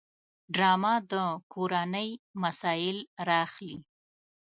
ډرامه د کورنۍ مسایل راخلي